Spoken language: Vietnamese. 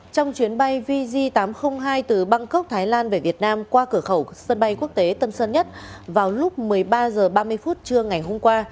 trong chuyến bay vj tám trăm linh hai từ bangkok thái lan về việt nam qua cửa khẩu sân bay quốc tế tân sơn nhất vào lúc một mươi ba h ba mươi trưa ngày hôm qua